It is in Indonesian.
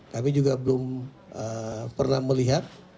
kami juga belum pernah melihat